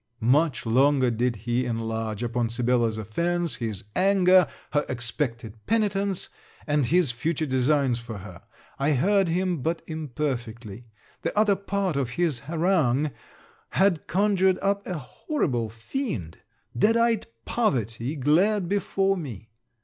Much longer did he enlarge upon Sibella's offence, his anger, her expected penitence, and his future designs for her. I heard him but imperfectly. The other part of his harangue had conjured up a horrible fiend. Dead eyed poverty glared before me.